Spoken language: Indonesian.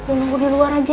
umur diluar raja